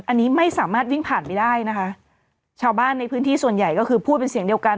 อันนี้ไม่สามารถวิ่งผ่านไปได้นะคะชาวบ้านในพื้นที่ส่วนใหญ่ก็คือพูดเป็นเสียงเดียวกัน